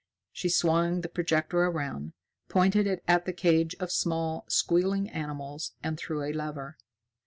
She swung the projector around, pointed it at the cage of small, squealing animals, and threw a lever.